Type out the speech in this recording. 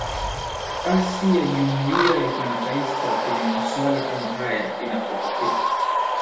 asi ya jumuiya ya kimatifa kwenye masuala kama haya inapotokea